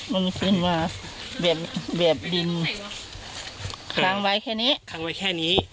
มันเป็นแบบดินคางไว้แค่นี้